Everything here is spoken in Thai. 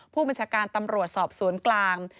ผู้บัญชาการตำรวจสอบสวนกลาง